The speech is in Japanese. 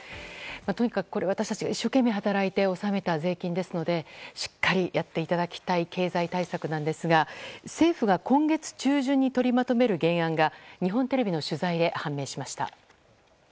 とにかく、これは私たちが一生懸命働いて納めた税金ですのでしっかりやっていただきたい経済対策なんですが政府が今月中旬に取りまとめる原案が日本テレビの取材で判明しました。